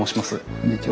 こんにちは。